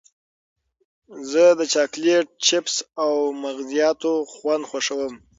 زه د چاکلېټ، چېپس او مغزیاتو خوند خوښوم.